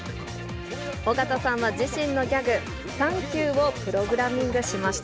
尾形さんは自身のギャグ、サンキュー！をプログラミングしました。